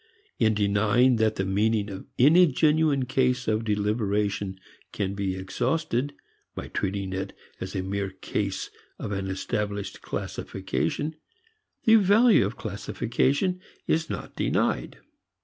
In denying that the meaning of any genuine case of deliberation can be exhausted by treating it as a mere case of an established classification the value of classification is not denied.